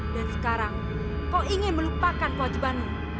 dan sekarang kau ingin melupakan wajibamu